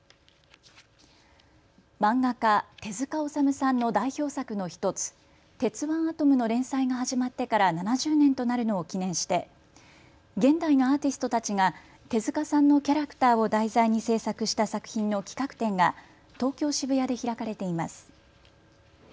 漫画家、手塚治虫さんの代表作の１つ、鉄腕アトムの連載が始まってから７０年となるのを記念して現代のアーティストたちが手塚さんのキャラクターを題材に制作した作品の企画展が東京渋谷で開かれています。